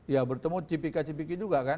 ya bertemu cipika cipika juga kan